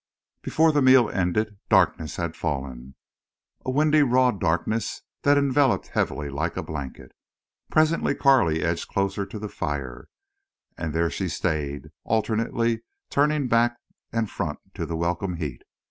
Before the meal ended darkness had fallen, a windy raw darkness that enveloped heavily like a blanket. Presently Carley edged closer to the fire, and there she stayed, alternately turning back and front to the welcome heat.